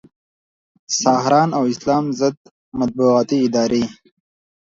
ساحران او اسلام ضد مطبوعاتي ادارې